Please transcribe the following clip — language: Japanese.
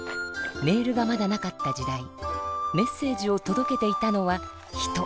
メールがまだなかった時代メッセージをとどけていたのは人。